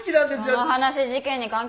その話事件に関係ありますか？